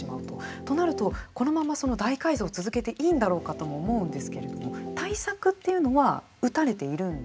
となると、このままその大改造を続けていいんだろうかとも思うんですけれども対策というのははい。